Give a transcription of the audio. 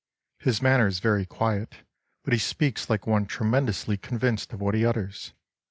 His manner is very quiet, but he speaks like one tremendously convinced of what he utters....